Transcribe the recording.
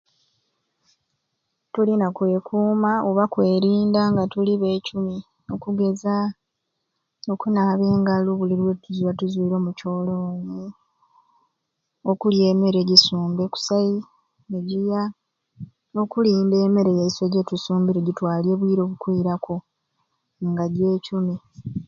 Tulina kwekuuma oba kwelinda nga tuli bejuni okugeza okunaaba engalo buli netuba nga tuzwire omu kyoloni okulya emere egyisumbe okusai negyiya okulinda emere yeisayei gyetusumbire gyetwalya ombwire obukwiraku nga jyekuni